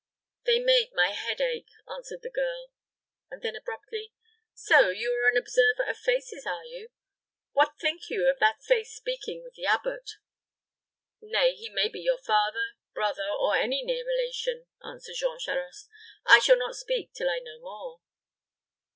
"They made my head ache," answered the girl; and then added, abruptly, "so you are an observer of faces, are you? What think you of that face speaking with the abbot?" "Nay, he may be your father, brother, or any near relation," answered Jean Charost. "I shall not speak till I know more."